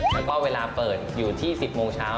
แล้วก็เวลาเปิดอยู่ที่๑๐โมงเช้า